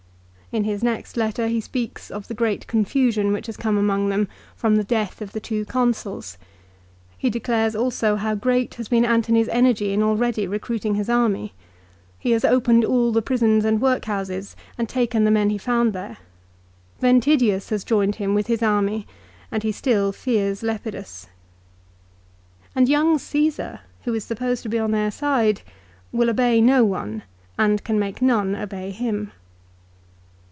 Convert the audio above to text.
1 In his next letter he speaks of the great confusion which has come among them from the death of the two Consuls. He declares also how great has been Antony's energy in already recruiting his army, He has opened all the prisons and workhouses and taken the men he found there. Ventidius has joined him with his army, and he still fears Lepidus. And young Cassar, who is supposed to be on their side, will obey no one and can make none obey him.